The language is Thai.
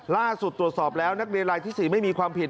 ล่าสุดตรวจสอบแล้วนักเรียนรายที่๔ไม่มีความผิด